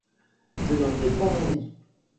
Je n'en ai pas envie.